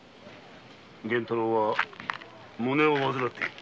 源太郎は胸を患っている。